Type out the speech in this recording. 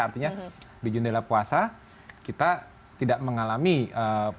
artinya di jendela puasa kita tidak mengalami penurunan